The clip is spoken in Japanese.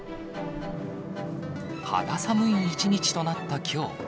肌寒い一日となったきょう。